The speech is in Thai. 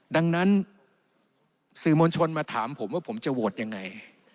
ดังนั้นสื่อมวลชนมาถามผมว่าผมจะโหวตยังไง